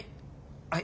はい。